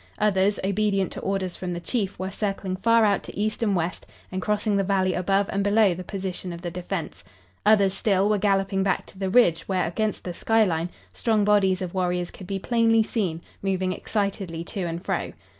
Others, obedient to orders from the chief, were circling far out to east and west and crossing the valley above and below the position of the defence. Others, still, were galloping back to the ridge, where, against the sky line, strong bodies of warriors could be plainly seen, moving excitedly to and fro.